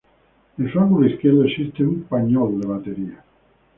En su ángulo izquierdo existe un pañol de batería.